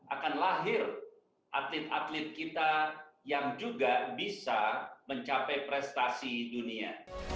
akan lahir atlet atlet kita yang juga bisa mencapai prestasi dunia